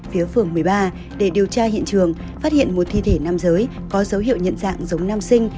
phía phường một mươi ba để điều tra hiện trường phát hiện một thi thể nam giới có dấu hiệu nhận dạng giống nam sinh